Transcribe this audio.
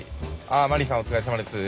ああマリさんお疲れさまです。